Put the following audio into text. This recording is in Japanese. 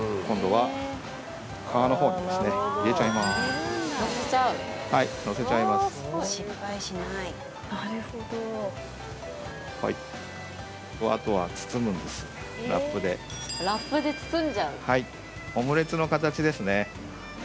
はいオムレツの形ですね。